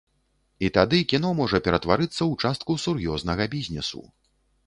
І тады кіно можа ператварыцца ў частку сур'ёзнага бізнесу.